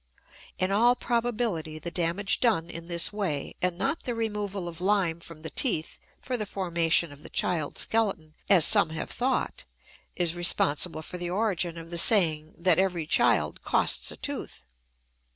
In all probability the damage done in this way and not the removal of lime from the teeth for the formation of the child's skeleton, as some have thought is responsible for the origin of the saying that "every child costs a tooth."